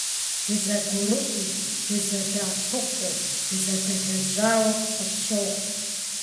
Дызэгурыӏуэу, дызэдэӏэпыкъуу дызэдэлэжьауэ къысщохъу.